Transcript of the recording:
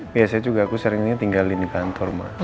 biasanya juga aku seringnya tinggalin di kantor